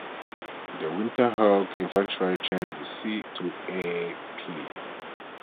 The Winterhawks eventually changed the "C" to a "P".